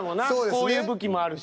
こういう武器もあるし。